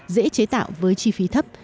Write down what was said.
dễ chế tạo với chi phí thấp